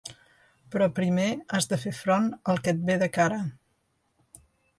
Però primer has de fer front al que et ve de cara!